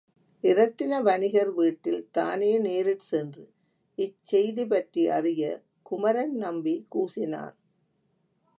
இரத்தின வணிகர் வீட்டில் தானே நேரிற்சென்று இச்செய்திபற்றி அறிய குமரன்நம்பி கூசினான்.